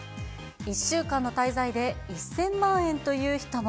１週間の滞在で１０００万円という人も。